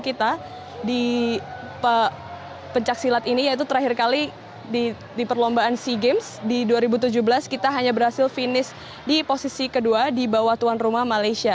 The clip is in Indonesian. kita di pencaksilat ini yaitu terakhir kali di perlombaan sea games di dua ribu tujuh belas kita hanya berhasil finish di posisi kedua di bawah tuan rumah malaysia